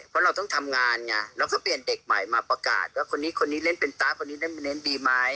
เพราะเราต้องทำงานไงเราก็เปลี่ยนเด็กใหม่มาประกาศว่าคนนี้คนนี้เล่นเป็นตาร์คนนี้เล่นดีไหม